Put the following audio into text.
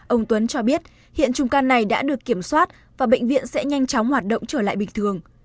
ông tuấn cho biết hiện chùm căn này đã được kiểm soát và bệnh viện sẽ nhanh chóng hoạt động trở lại bình thường